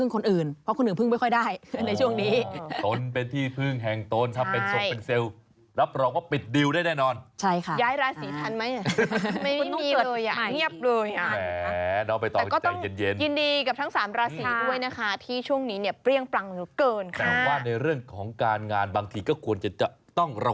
กรกฏนี่ถ้าสมมติว่านับ๑๒ราศรีนี่อยู่อันดับที่๑๒นี่นะ